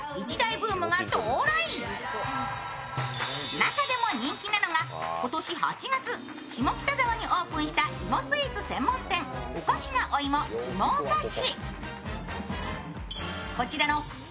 中でも人気なのが、今年８月、下北沢にオープンした芋スイーツ専門店、をかしなお芋芋をかし。